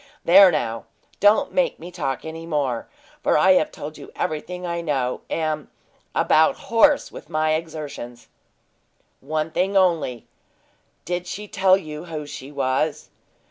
There now, don't make me talk any more, for I have told you everything I know, and am about hoarse with my exertions." "One thing only did she tell you who she was?"